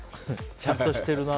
ちゃんとしてるな。